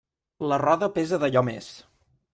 La roda pesa d'allò més.